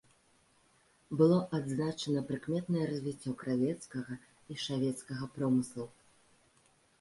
Было адзначана прыкметнае развіццё кравецкага і шавецкага промыслаў.